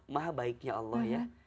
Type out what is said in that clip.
maha baiknya allah ya